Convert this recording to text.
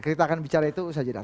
kita akan bicara itu saja dah